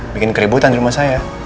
bikin keributan di rumah saya